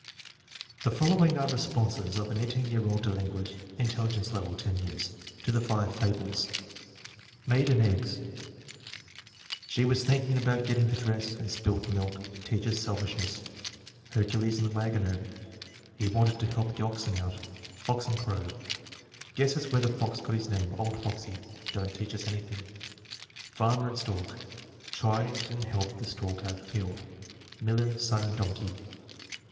The following are the responses of an 18 year old delin quent (intelligence level 10 years) to the five fables: Maid and Eggs. "She was thinking about getting the dress and spilled the milk. Teaches selfishness." Hercules and the Wagoner. "He wanted to help the oxen out." Fox and Crow. "Guess that's where the fox got his name 'Old Foxy.' Don't teach us anything." Farmer and Stork. "Try and help the stork out of the field." Miller, Son, and Donkey.